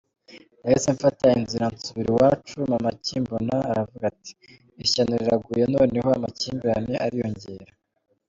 Nahise mfata inzira nsubira iwacu, Mama akimbona aravuga ati ‘Ishyano riraguye, noneho amakimbirane ariyongera.